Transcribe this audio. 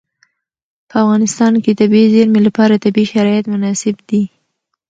په افغانستان کې د طبیعي زیرمې لپاره طبیعي شرایط مناسب دي.